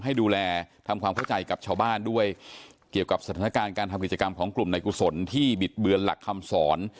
ให้ดูแลทำความเข้าใจกับชาวบ้านด้วยเกี่ยวกับสถานการณ์การทำกิจกรรมของกลุ่มในกุศลที่บิดเบือนหลักคำสอน